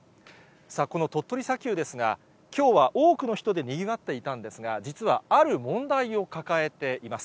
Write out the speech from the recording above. この鳥取砂丘ですが、きょうは多くの人でにぎわっていたんですが、実はある問題を抱えています。